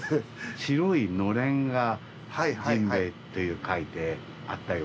白いのれんが「甚兵衛」って書いてあったような。